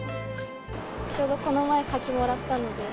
ちょうどこの前、柿もらったので。